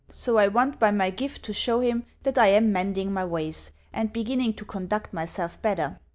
So I want by my gift to show him that I am mending my ways, and beginning to conduct myself better.